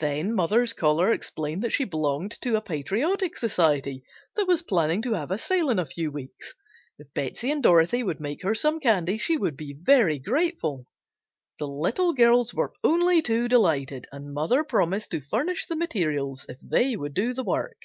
Then mother's caller explained that she belonged to a patriotic society that was planning to have a sale in a few weeks. If Betsey and Dorothy would make her some candy she would be very grateful. The little girls were only too delighted and mother promised to furnish the materials if they would do the work.